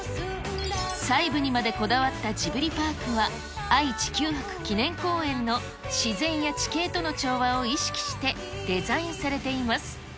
細部にまでこだわったジブリパークは、愛・地球博記念公園の自然や地形との調和を意識して、デザインされています。